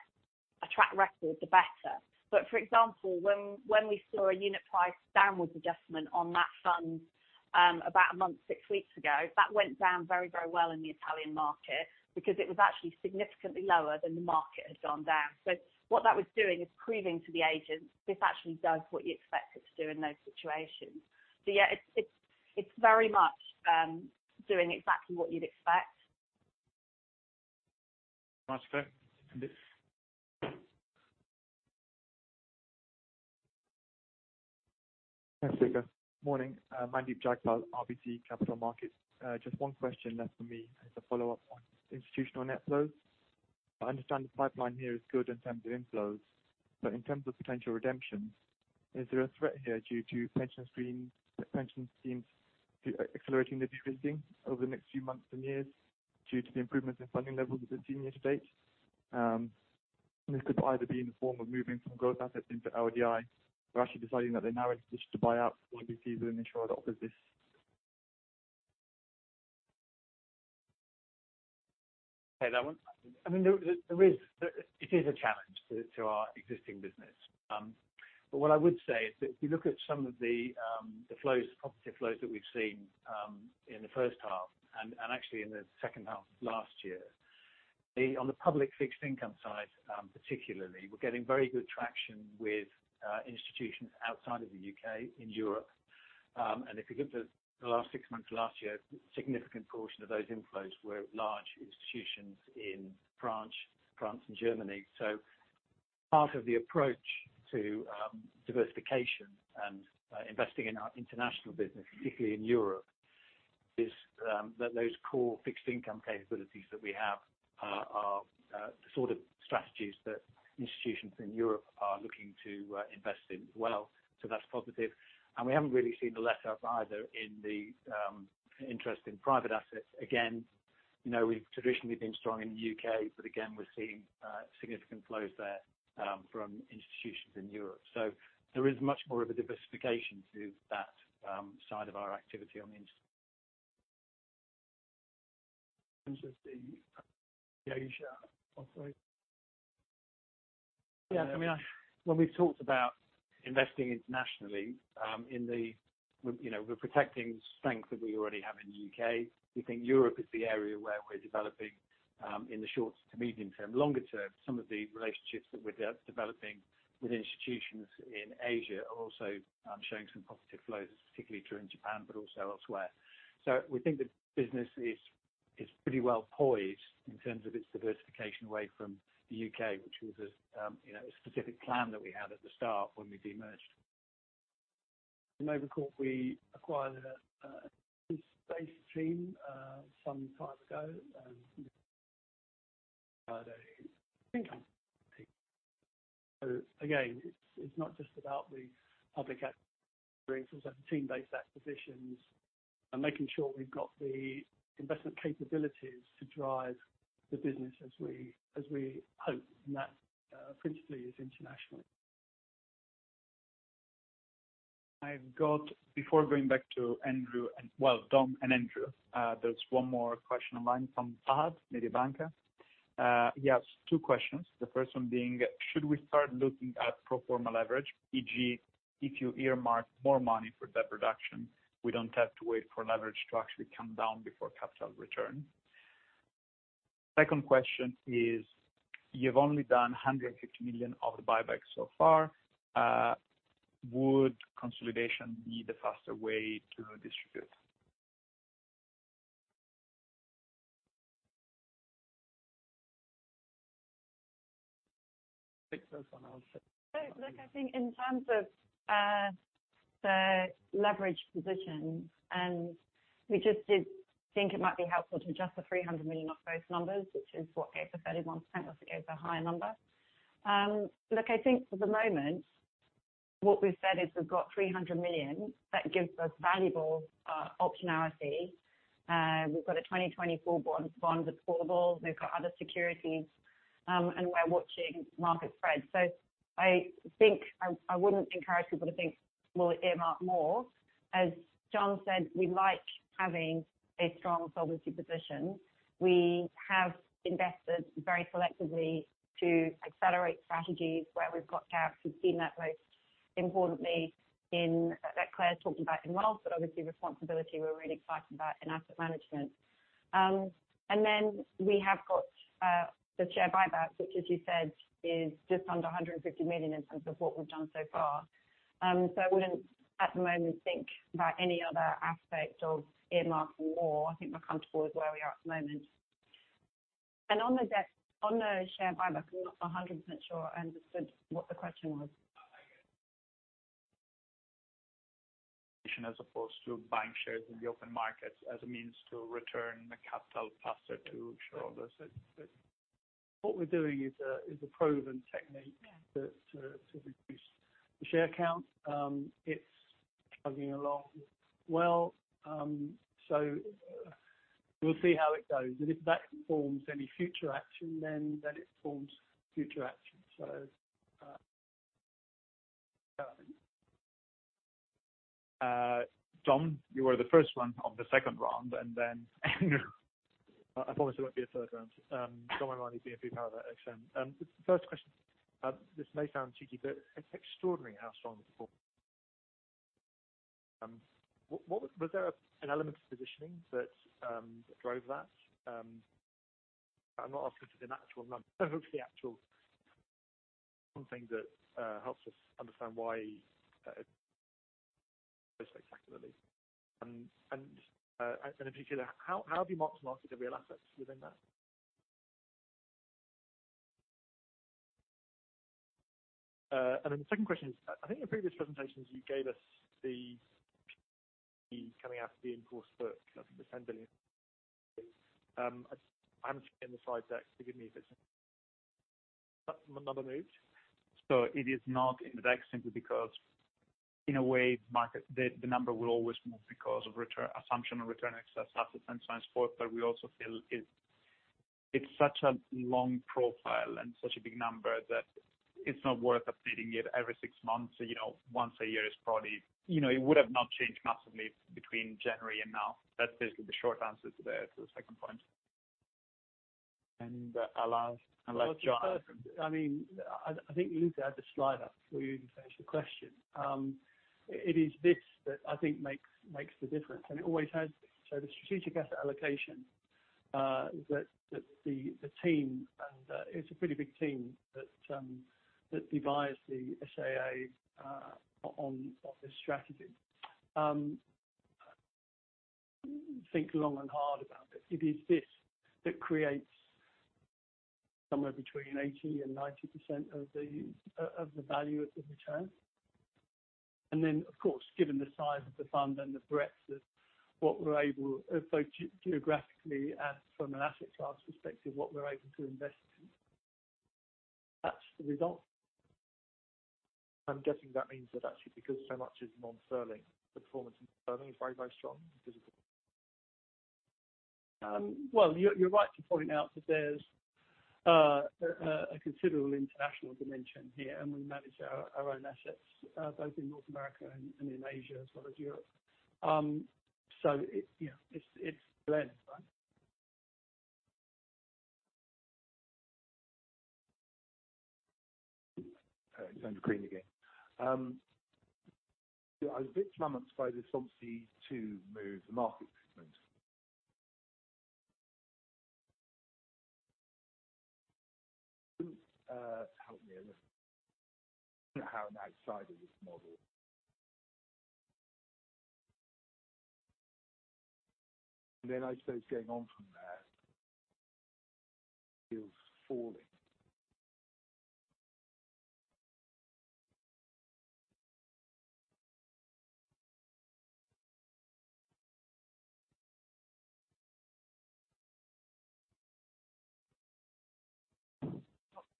a track record, the better. For example, when we saw a unit price downwards adjustment on that fund, about a month, six weeks ago, that went down very, very well in the Italian market because it was actually significantly lower than the market had gone down. What that was doing is proving to the agents this actually does what you expect it to do in those situations. Yeah, it's very much doing exactly what you'd expect. Thanks, Luca Gagliardi. Morning. Mandeep Jagpal, RBC Capital Markets. Just one question left for me as a follow-up on institutional outflows. I understand the pipeline here is good in terms of inflows, but in terms of potential redemptions, is there a threat here due to pension schemes accelerating their de-risking over the next few months and years due to the improvements in funding levels that we've seen year to date? This could either be in the form of moving from growth assets into LDI, or actually deciding that they're now in a position to buy out DBs. Take that one. I mean, there is a challenge to our existing business. What I would say is that if you look at some of the positive flows that we've seen in the first half and actually in the second half of last year. On the public fixed income side, particularly, we're getting very good traction with institutions outside of the UK in Europe. If you look at the last six months of last year, a significant portion of those inflows were large institutions in France and Germany. Part of the approach to diversification and investing in our international business, particularly in Europe, is that those core fixed income capabilities that we have are sort of strategies that institutions in Europe are looking to invest in as well. That's positive. We haven't really seen the letup either in the interest in private assets. Again, you know, we've traditionally been strong in the UK, but again, we're seeing significant flows there from institutions in Europe. There is much more of a diversification to that side of our activity on the institutional side. Yeah. I mean, when we've talked about investing internationally, in the you know, we're protecting the strength that we already have in the UK. We think Europe is the area where we're developing in the short to medium term. Longer term, some of the relationships that we're developing with institutions in Asia are also showing some positive flows. This is particularly true in Japan, but also elsewhere. We think the business is pretty well poised in terms of its diversification away from the UK, which was a you know, a specific plan that we had at the start when we demerged. Over the course we acquired a team-based team some time ago, and it's not just about the public. It's also the team-based acquisitions and making sure we've got the investment capabilities to drive the business as we hope. That principally is internationally. Before going back to Dom and Andrew, there's one more question online from Fahad, Mediobanca. He has two questions. The first one being, should we start looking at pro forma leverage? E.g., if you earmark more money for debt reduction, we don't have to wait for leverage to actually come down before capital return. Second question is, you've only done 150 million of the buyback so far. Would consolidation be the faster way to distribute? Take this one also. Look, I think in terms of the leverage position, and we just did think it might be helpful to adjust the 300 million of those numbers, which is what gave the 31%, also gave the higher number. Look, I think for the moment, what we've said is we've got 300 million that gives us valuable optionality. We've got a 2024 bond that's putable. We've got other securities, and we're watching market spread. I think I wouldn't encourage people to think we'll earmark more. As John said, we like having a strong solvency position. We have invested very selectively to accelerate strategies where we've got gaps. We've seen that most importantly in that Claire's talking about in wealth, but obviously responsibility we're really excited about in asset management. We have got the share buyback, which as you said, is just under 150 million in terms of what we've done so far. I wouldn't at the moment think about any other aspect of earmarking more. I think we're comfortable with where we are at the moment. On the share buyback, I'm not 100% sure I understood what the question was. As opposed to buying shares in the open market as a means to return the capital faster to shareholders. What we're doing is a proven technique. Yeah. that to reduce the share count. It's chugging along well. We'll see how it goes. If that forms any future action, then it forms future action. Dom, you are the first one of the second round, and then I promise there won't be a third round. Dominic O'Mahony, BNP Paribas Exane. The first question, this may sound cheeky, but it's extraordinary how strong the support. Was there an element of positioning that drove that? I'm not asking for the natural number, hopefully actual something that helps us understand why spectacularly. And if you could, how have you marked to market the real assets within that? And then the second question is, I think in previous presentations you gave us the coming out of the insurance book, up to 10 billion. I haven't seen the slide deck. Forgive me if it's another move. It is not in the deck simply because, in a way, the number will always move because of return assumption of return, excess assets and so and so forth. We also feel it's such a long profile and such a big number that it's not worth updating it every six months. You know, once a year is probably. You know, it would have not changed massively between January and now. That's basically the short answer to the second point. Our last John. I mean, I think you need to add the slide up before you even finish the question. It is this that I think makes the difference, and it always has been. The strategic asset allocation that the team and it's a pretty big team that devises the SAA on this strategy. Think long and hard about it. It is this that creates somewhere between 80% and 90% of the value of the return. Then, of course, given the size of the fund and the breadth of what we're able, both geographically and from an asset class perspective, what we're able to invest in. That's the result. I'm guessing that means that actually because so much is non-sterling, the performance in sterling is very, very strong, visibly. Well, you're right to point out that there's a considerable international dimension here, and we manage our own assets both in North America and in Asia as well as Europe. Yeah, it's a blend. It's Andrew Green again. I was a bit flummoxed by the Solvency II move, the market movement. Help me. How an outsider sees this model. Then I suppose getting on from there feels baffling. Good.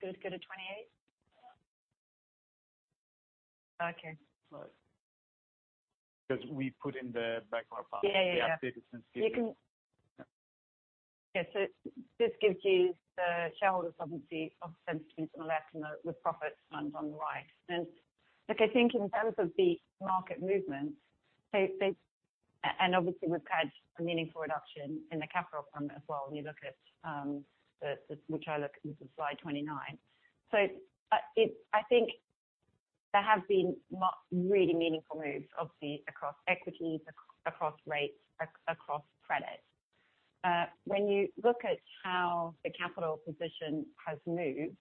Go to 28. Okay. Because we put in the background. Yeah, yeah. The update is since given. This gives you the shareholder solvency sensitivities on the left and the PruFund on the right. Look, I think in terms of the market movements, obviously, we've had a meaningful reduction in the PruFund as well when you look at which I look at slide 29. I think there have been not really meaningful moves obviously across equities, across rates, across credit. When you look at how the capital position has moved,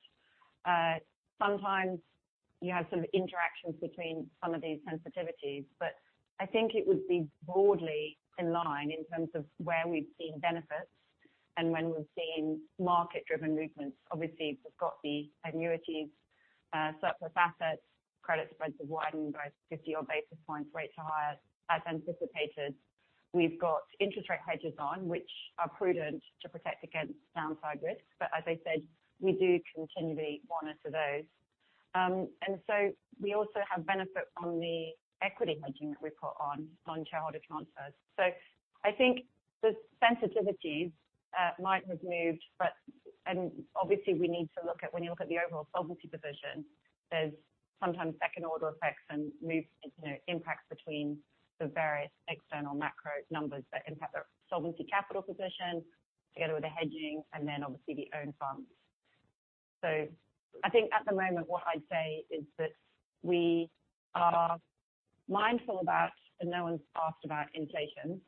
sometimes you have some interactions between some of these sensitivities. I think it would be broadly in line in terms of where we've seen benefits and when we've seen market-driven movements. Obviously, we've got the annuities surplus assets, credit spreads have widened by 50-odd basis points, rates are higher as anticipated. We've got interest rate hedges on, which are prudent to protect against downside risks. As I said, we do continually monitor those. We also have benefit from the equity hedging that we put on, non-shareholder transfers. I think the sensitivities might have moved, but. Obviously we need to look at, when you look at the overall solvency position, there's sometimes second-order effects and moves, you know, impacts between the various external macro numbers that impact our solvency capital position together with the hedging and then obviously the own funds. I think at the moment what I'd say is that we are mindful about, and no one's asked about inflation.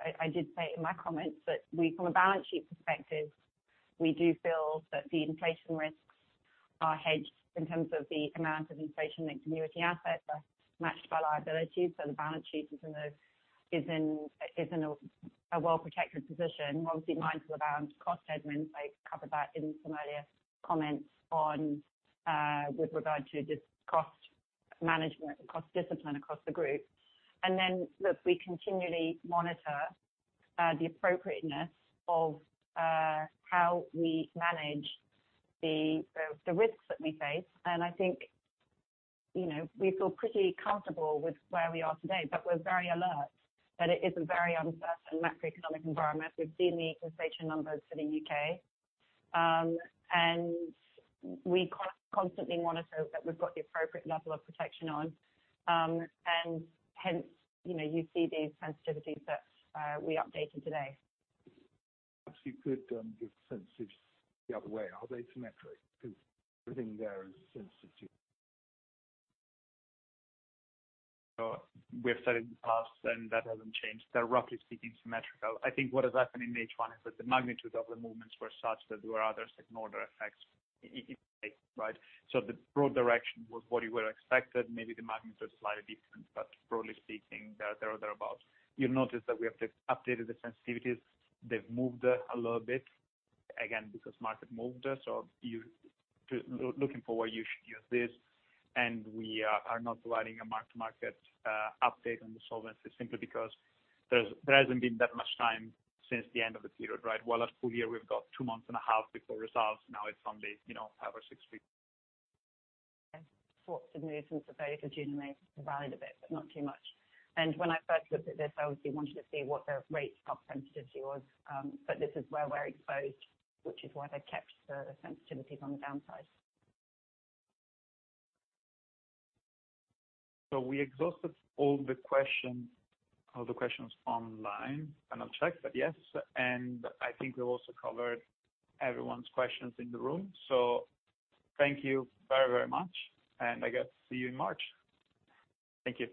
I did say it in my comments, that we from a balance sheet perspective, we do feel that the inflation risks are hedged in terms of the amount of inflation-linked annuity assets are matched by liabilities, so the balance sheet is in a well-protected position. Obviously mindful around cost headroom. I covered that in some earlier comments on, with regard to just cost management and cost discipline across the group. Look, we continually monitor the appropriateness of how we manage the risks that we face. I think, you know, we feel pretty comfortable with where we are today, but we're very alert that it is a very uncertain macroeconomic environment. We've seen the inflation numbers for the U.K. We constantly monitor that we've got the appropriate level of protection on, and hence, you know, you see these sensitivities that we updated today. If you could, give sensitivities the other way. Are they symmetric? 'Cause everything there is sensitive. We've said it in the past and that hasn't changed. They're roughly speaking symmetrical. I think what has happened in H1 is that the magnitude of the movements were such that there were other second order effects in play, right? The broad direction was what you would've expected. Maybe the magnitude is slightly different, but broadly speaking they are thereabout. You'll notice that we have just updated the sensitivities. They've moved a little bit, again, because market moved. Looking forward, you should use this. We are not providing a mark-to-market update on the solvency simply because there hasn't been that much time since the end of the period, right. While at full year, we've got two months and a half before results. Now it's only, you know, five or six weeks. Sorts of movements that those are generally valid a bit, but not too much. When I first looked at this, I obviously wanted to see what the rates stock sensitivity was. But this is where we're exposed, which is why they've kept the sensitivities on the downside. We exhausted all the questions, all the questions online. I'll check, but yes. I think we've also covered everyone's questions in the room. Thank you very, very much and I guess see you in March. Thank you.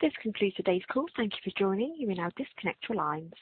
This concludes today's call. Thank you for joining. You may now disconnect your lines.